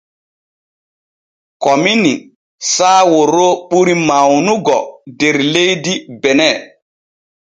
Komini saawaro ɓuri mawnugo der leydi bene.